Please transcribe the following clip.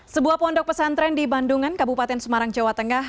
sebuah pondok pesantren di bandungan kabupaten semarang jawa tengah